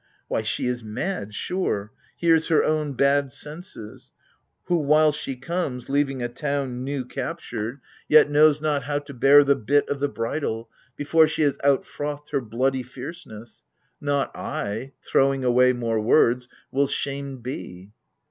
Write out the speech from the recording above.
Why, she is mad, sure, — hears her own bad senses, — Who, while she comes, leaving a town new captured, 86 AGAMEMNON. Yet knows not how to bear the bit o' the bridle Before she has out frothed her bloody fierceness. Not I — throwing away more words — will shamed be